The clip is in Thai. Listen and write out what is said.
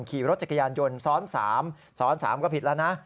ขี่รถจักรยานยนต์ซ้อน๓ซ้อน๓ก็ผิดแล้วนะ